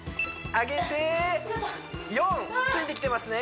上げて４ついてきてますね